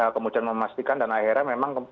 kemudian memastikan dan akhirnya memang